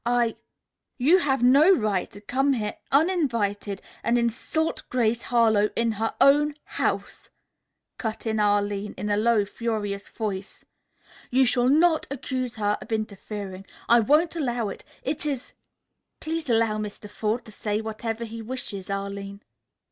I " "You have no right to come here uninvited and insult Grace Harlowe in her own house," cut in Arline in a low, furious voice. "You shall not accuse her of interfering. I won't allow it. It is " "Please allow Mr. Forde to say whatever he wishes, Arline."